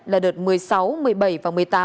là đợt một mươi sáu một mươi bảy và một mươi tám